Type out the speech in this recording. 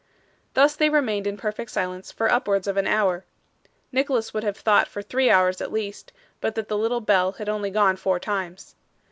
Thus they remained in perfect silence for upwards of an hour Nicholas would have thought for three hours at least, but that the little bell had only gone four times.